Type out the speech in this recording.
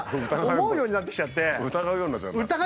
疑うようになってきちゃって。